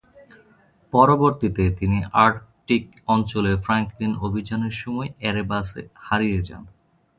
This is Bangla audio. পরবর্তীতে তিনি আর্কটিক অঞ্চলে ফ্রাঙ্কলিন অভিযানের সময় এরেবাস-এ হারিয়ে যান।